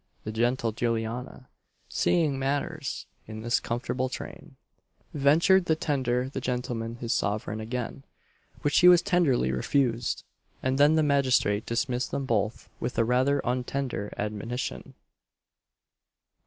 The gentle Juliana, seeing matters in this comfortable train, ventured to tender the gentleman his sovereign again, which he as tenderly refused; and then the magistrate dismissed them both with a rather untender admonition.